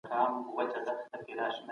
له افراطي موقفونو څخه ډډه کول پکار دي.